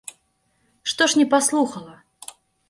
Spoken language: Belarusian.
Што ж не паслухала!